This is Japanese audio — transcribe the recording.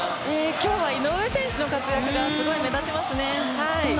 今日は井上選手の活躍が目立ちます。